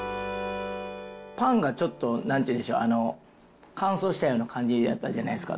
パンがちょっとなんていうんでしょう、乾燥したような感じやったじゃないですか。